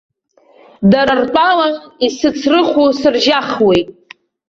Дара ртәала, исыцрыхо, сыржьахуеит.